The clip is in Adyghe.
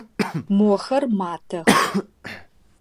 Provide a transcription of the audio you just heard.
Мохэр матэх.